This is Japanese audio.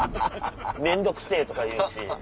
面倒くせぇとか言うし。